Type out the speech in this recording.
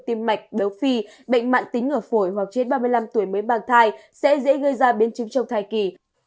tim mạch béo phì bệnh mạng tính ở phổi hoặc trên ba mươi năm tuổi mới mang thai sẽ dễ gây ra biến chứng trong thai kỳ